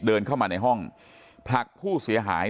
เดินเข้ามาในห้องผลักผู้เสียหาย